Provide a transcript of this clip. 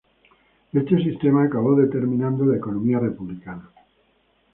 Este sistema acabó determinando la economía republicana.